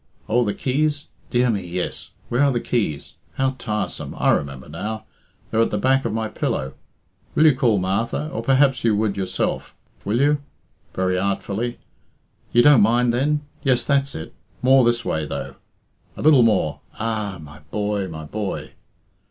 Oh, the keys? Dear me, yes; where are the keys? How tiresome! I remember now. They're at the back of my pillow. Will you call Martha? Or perhaps you would yourself will you?" (very artfully) "you don't mind then? Yes, that's it; more this way, though, a little more ah! My boy! my boy!"